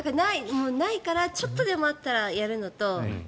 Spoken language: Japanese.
ないからちょっとでもあったらやるのと私、